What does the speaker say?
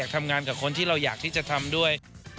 ทำงานกับคนที่เราอยากที่จะทำด้วย